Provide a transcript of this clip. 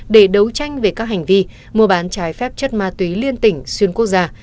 để đấu tranh về các hành vi mua bán trái phép chất ma túy liên tỉnh xuyên quốc gia